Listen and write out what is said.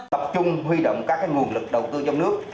tập trung huy động các nguồn lực đầu tư trong nước